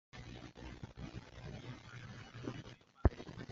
道光二十年中庚子科进士。